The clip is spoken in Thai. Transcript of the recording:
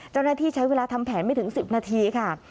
เจ้าหน้าที่ใช้เวลาทำแผนไม่ถึง๑๐นาทีค่ะ